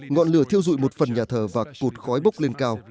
ngọn lửa thiêu dụi một phần nhà thờ và cột khói bốc lên cao